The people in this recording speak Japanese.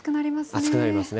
暑くなりますね。